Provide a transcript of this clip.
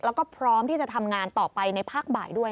แล้วก็พร้อมที่จะทำงานต่อไปในภาคบ่ายด้วย